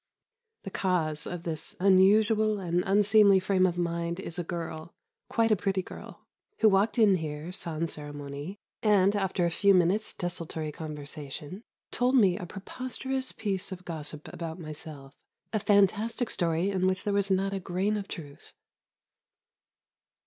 The cause of this unusual and unseemly frame of mind is a girl, quite a pretty girl, who walked in here, sans cérémonie, and, after a few minutes' desultory conversation, told me a preposterous piece of gossip about myself, a fantastic story in which there was not a grain of truth.